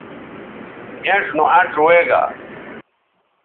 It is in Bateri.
اِنڇ نو اَنڇ وے گا